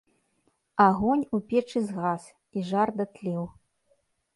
Агонь у печы згас, і жар датлеў.